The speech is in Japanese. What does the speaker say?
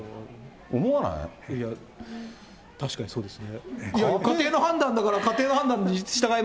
いやー、確かにそうですね。